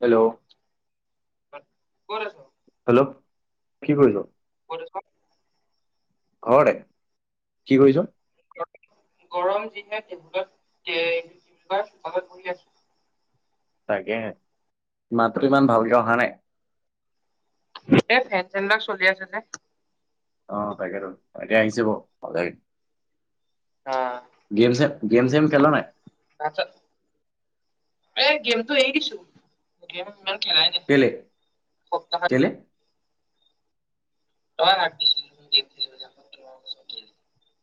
Hello. ক'ত আছ? Hello, কি কৰিছ? [inaudible] ঘৰতে, কি কৰিছ? গৰম যিহে তেহুলত এ তিবাৰ চোতালতবহি আছো। তাকে মাতো ইমান ভালকে অহা নাই। এ, ফেন, চেন লাক চলি আছে যে। অ' তাকেতো, তাকে আহিছে বাৰু গাড়ীত। গেম-চেম গেম, চেম খেল নাই? এই গেমটো এৰি দিছো। খেলাই নাই, কেলে সপ্তাহত কেলে [unintelligible]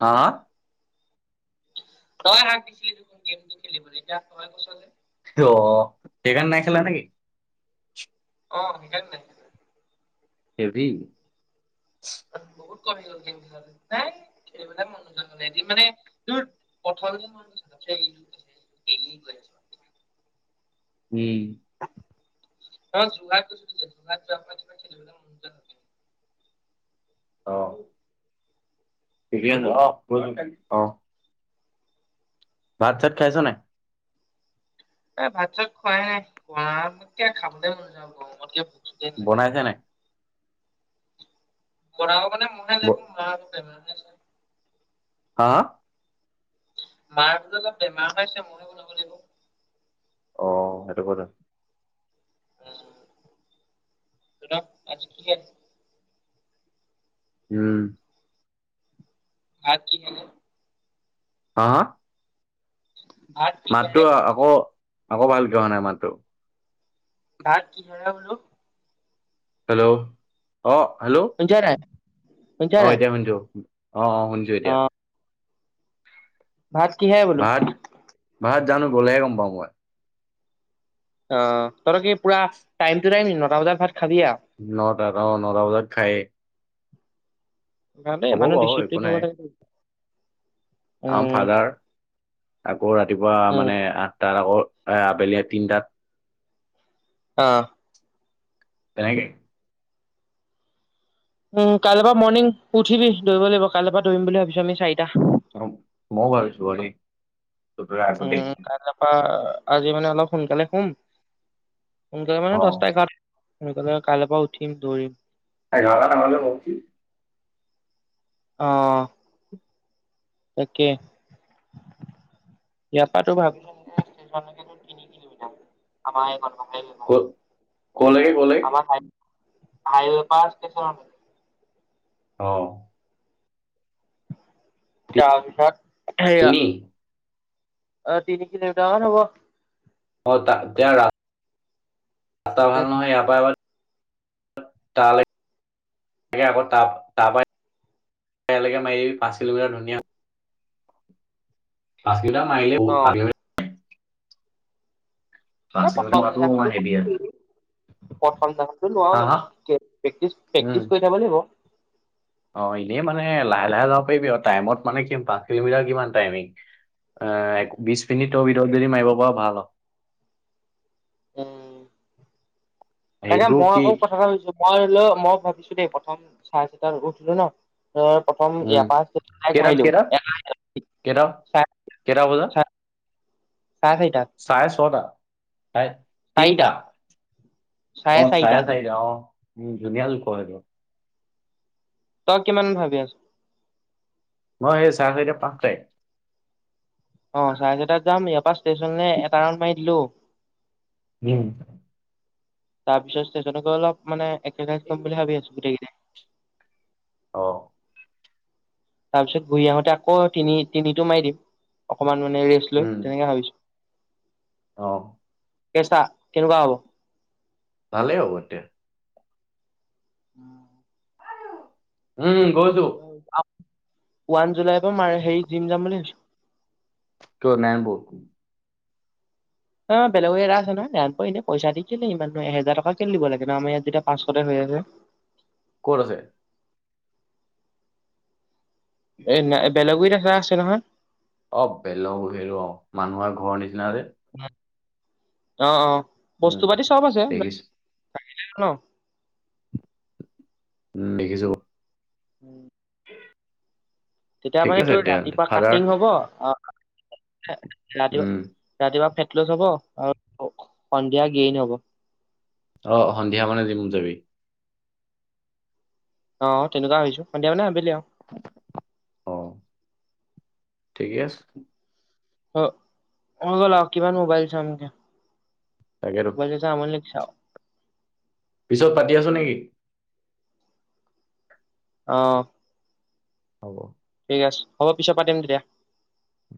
হা, হা তয়ে হাক দিছিলি দেখোন গেমটো খেলিবলৈ এতিয়া তই কৈছ যে ত' সেইকাৰণে নাই খেলা নেকি? অ', সেইকাৰণে নাই [unintelligible] হেভি বহুত কমি গ'ল নাই [unintelligible] খেলিবলৈ মন নোযোৱা হ'ল এদিন মানে তোৰ [unintelligible] [unintelligible] উম। [inaudible] অ'। [unintelligible] অ'। ভাত-চাত খাইছ নে? এ, ভাত-চাত খোৱাই নাই [unintelligible] খাবলৈ মন যোৱা নাই গৰমত যে বনাইছে নাই? বনাব মানে ব [unintelligible] হা মাৰটোতো অলপ বেমাৰ হৈ হৈছে, মইহে বনাব লাগিব। অ' সেইটো কথা। উম, তহঁতৰ আজি কি আছে? উম। ভাত কিহেৰে? হা ভাত কিহেৰে মাতটো আকৌ, আকৌ ভালকৈ অহা নাই মাতটো ভাত কিহেৰে বোলো? হেল্ল', অ'। হেল্ল' শুনিছনে নাই? শুনিছা অ', নাই এতিয়া শুনিছোঁ। অ', অ', শুনিছোঁ এতিয়া। ভাত কিহেৰে বোলো? ভাত ভাত জানো, গ'লেহে গম পাওঁ মই অ', তহঁতৰ কি পুৰা টাইম-টু-টাইম নি? নটা বজাত ভাত খাবি নটাত অ', নটা বজাত খায়ে [unintelligible] মানুহ ডিচিপ্লিন হ'ব লাগিব। আমাৰ ফাদাৰ, আকৌ ৰাতিপুৱা উম মানে, আঠটাত আকৌ আ আবেলি তিনটাত অ' তেনে--কে উম, কাইলৈপা পৰা মৰ্ণিং উঠিবি দৌৰিব লাগিব, কাইলৈ পৰা দৌৰিম বুলি ভাবিছো আমি চাৰিটা। অ মোবাইল চোৰেি [unintelligible] উম, কাইলৈপা, আজি মানে অলপ সোনকালে শুম সোনকালে মানে অ দছটা এঘাৰটাত, সোনকালে কাইলৈৰ পা উঠিম দৌৰিম। [inaudible] অ' তাকে ইয়াৰ পৰা তো [unintelligible] তিনি কিলোমিটাৰ, আমাৰ এইকণৰপা ক, ক লাগে, ক লাগে আমাৰ হাই হাইৱে পৰা ষ্টেচন অঁ। তাৰ পিছত তিনি অ তিনি কিলোমিটাৰ মান হব। অ, তা, তে, ৰা, ৰাস্তা ভাল নহয় ইয়াৰ পৰা এবাৰ তালৈ আকৌ ত তাৰপ [unintelligible] মাৰি পাঁচ কিলোমিটাৰ ধুনীয়া ম আহিল অ ভাল [unintelligible] ন কিলোমিটাৰ প্ৰথম মৰাটো দিনা হেভি প্ৰথম [unintelligible] হা, লোৱে, হা? উম। প্ৰেক্টিচ-প্ৰেক্টিচ কৰি থাব লাগিব। অ এনেই মানে লাহে-লাহে যাব পাৰিবি আৰু টাইমত মানে কি পাঁচ কিলোমিটাৰ কিমান টাইমিং। আহ বিশ মিনিটৰ ভিতৰত যদি মাৰিব পাৰো ভাল [inaudible] উ তাকে সেইটো মই কি আকৌ কথাষাৰ কৈ থৈছোঁ মই ল মই ভাবিছো দেই কথা চাই চ তাৰ উঠলো ন। প্ৰথম উম, ইয়াৰ পাক কেইটাত মাৰিলো কেইটাত কেইটা কেইটা বজাত, চাৰিটা চাৰে ছটা? চাৰিটা তিনটা, অ চাৰে চাৰিটা অ। উম ধুনীয়া লোকৰ এইটো। তই কিমান ভাবি আছ মই সেই চাহ [unintelligible] অ চাৰে চাৰীতাত যাম ইয়াৰ পৰা ষ্টেচন এটা ৰাউণ্ড মাৰি দিলো। [inaudible] তাৰপিছতেইজনকো অলপ মানে এক্ৰচাইজ বুলি ভাবি আছো গোটেইকেইটা। অ। তাৰ পিছত ঘূৰি আহোতে আকৌ তিনি-তিনিটো মাৰি দিম, অকমান মানে ৰেষ্ট লৈ উম, তেনেকে ভাবিছো। অ। কেচা কেনেকুৱা হ'ব? ভালেই হ'ব তে উম। উম। গৈছো ওৱান জুলাইৰ পৰা ম হেৰি জিম যাম বুলি ভাবছো। [inaudible] অ বেলেগো এৰা আছে নহয়, ৰেম্প এনেই পইচা দি কেলে ইমানানহ এহেজাৰ টকা কেলে দিব লাগে, ন আমাৰ ইয়াত যেতিয়া পাচঁশতে হৈ আছে। [inaudible] ক'ত আছে? এনে বেলেগৰ দেখা আছে নহয়। অ বেলেও-হেলও মানুহৰ ঘৰৰ নিচিনা যে। অ, অ, উম। বস্তু-পাতি চব আছে দেখিছো ন'। উম দেখিছো। উম। তেতিয়া ঠিকে মানে আছে তোৰ তেতিয়াহ'লে ৰাতিপুৱা ফাদাৰ কাটিং হব ৰাতিপুৱা, উম ৰাতিপুৱা ফেক হব আৰু সন্ধিয়া গেইন হ'ব। অ সন্ধিয়া মানে জীম যাবি? অ তেনেকুৱা হৈছো, সন্ধিয়া মানে আবেলি আৰু। আহ। ঠিকে আছে। অ', গ ল কিমান মোবাইল চাম? তাকেতো বলেছ আমলিক চাও [unintelligible] পিছত পাতি আছো নেকি। অ'। হ'ব। ঠিক আছে হ'ব পিছত পাতিম তেতিয়া। উ।